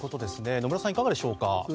野村さん、いかがでしょうか。